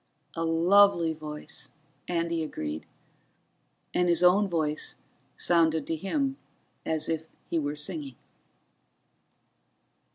"A lovely voice," Andy agreed, and his own voice sounded to him as if he were singing.